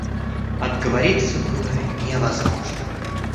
Отговориться было невозможно.